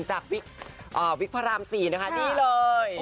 จากวิกพระราม๔นะคะนี่เลย